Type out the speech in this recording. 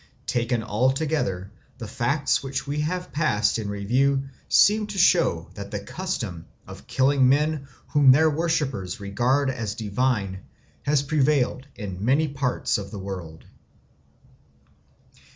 Taken all together, the facts which we have passed in review seem to show that the custom of killing men whom their worshippers regard as divine has prevailed in many parts of the world.